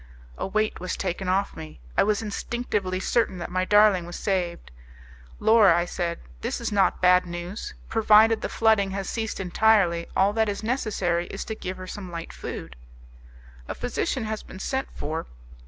A weight was taken off me; I was instinctively certain that my darling was saved. "Laura," I said, "this is not bad news; provided the flooding has ceased entirely, all that is necessary is to give her some light food." "A physician has been sent for.